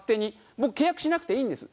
僕契約しなくていいんです。